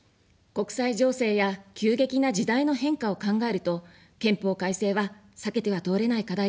国際情勢や急激な時代の変化を考えると、憲法改正は避けては通れない課題ですね。